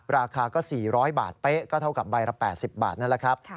ราคาก็๔๐๐บาทเป๊ะก็เท่ากับใบละ๘๐บาทนั่นแหละครับ